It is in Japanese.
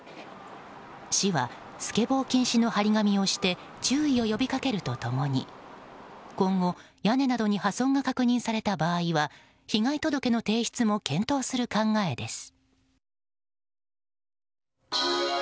市はスケボー禁止の貼り紙をして注意を呼びかけると共に今後、屋根などに破損が確認された場合は被害届の提出も検討する考えです。